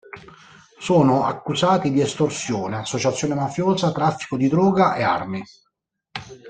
Sono accusati di estorsione, associazione mafiosa, traffico di droga e armi.